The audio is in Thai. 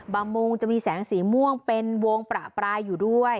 โมงจะมีแสงสีม่วงเป็นวงประปรายอยู่ด้วย